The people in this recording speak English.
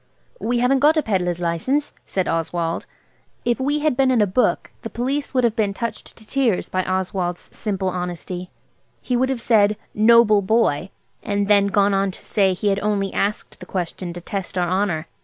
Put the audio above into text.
"We haven't got a pedlar's license," said Oswald. If we had been in a book the Police would have been touched to tears by Oswald's simply honesty. He would have said "Noble boy!" and then gone on to say he had only asked the question to test our honour.